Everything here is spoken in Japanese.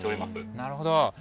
なるほど。